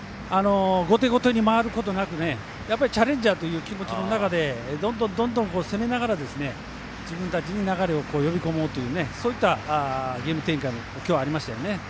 後手後手に回ることなくチャレンジャーという気持ちの中でどんどん攻めながら自分たちに流れを呼び込もうというそういったゲーム展開も今日ありましたね。